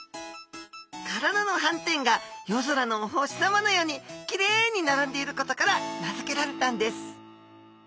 体のはんてんが夜空のお星さまのようにきれいに並んでいることから名付けられたんです